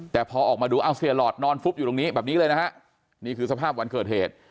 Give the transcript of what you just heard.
แต่พอออกมาดูเอาเสียหลอดนอนฟุบอยู่ตรงนี้แบบนี้เลยนะฮะนี่คือสภาพวันเกิดเหตุ